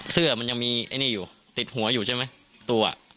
เสื้อมันยังมีไอ้นี่อยู่ติดหัวอยู่ใช่ไหมตัว